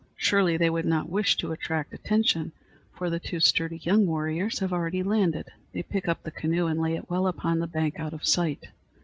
Surely they would not wish to attract attention, for the two sturdy young warriors have already landed. They pick up the canoe and lay it well up on the bank, out of sight.